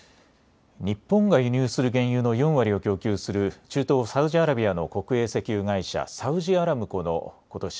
日本が輸入する原油の４割を供給する中東サウジアラビアの国営石油会社、サウジアラムコのことし